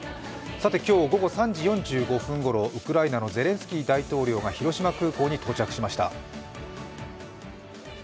さて今日午後３時４５分ごろウクライナのゼレンスキー大統領が広島空港に到着しました。